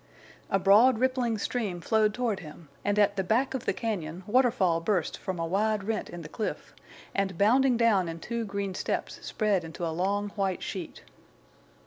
A broad rippling stream flowed toward him, and at the back of the cañon waterfall burst from a wide rent in the cliff, and, bounding down in two green steps, spread into a long white sheet.